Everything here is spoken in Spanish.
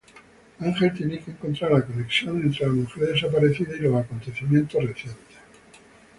Ángel tiene que encontrar la conexión entre la mujer desaparecida y los acontecimientos recientes.